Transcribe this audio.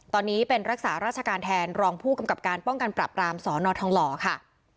ตอนนี้เป็นรักษาราชการแทนรองผู้กำกับการป้องกันปรับรามสนทองหล่อค่ะ